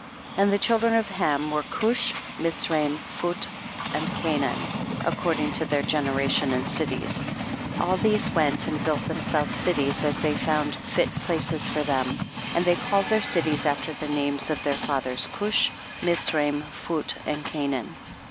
19. And the children of Ham were Cush, Mitzraim, Phut and Ca naan according to their generation and cities. 20. All these went and built them selves cities as they found Jit places for them, and they called their cities after the names of their fathers Cush, Mitzraim, Phut and Canaan.